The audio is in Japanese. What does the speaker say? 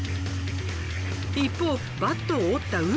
一方バットを折った。